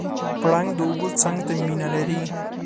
پړانګ د اوبو څنګ ته مینه لري.